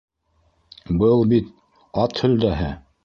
Был бит... ат һөлдәһе.